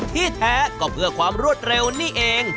ที่แท้ก็เพื่อความรวดเร็วนี่เอง